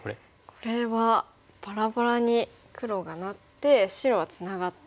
これはバラバラに黒がなって白はツナがって。